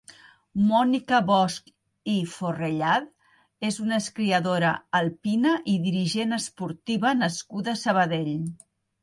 Mònica Bosch i Forrellad és una esquiadora alpina i dirigent esportiva nascuda a Sabadell.